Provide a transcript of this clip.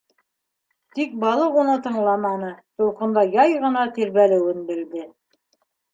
Тик балыҡ уны тыңламаны, тулҡында яй ғына тирбәлеүен белде.